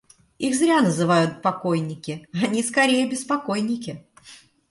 Их зря называют покойники, они скорее беспокойники.